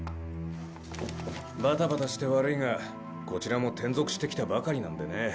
バタバタして悪いがこちらも転属してきたばかりなんでね。